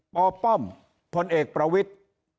ปป้อมพลเอกประวิทธิ์